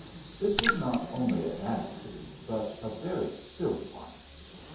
This was not only a vanity, but a very silly one.